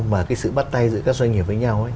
và cái sự bắt tay giữa các doanh nghiệp với nhau